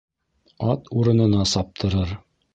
Ат урынына саптырыр.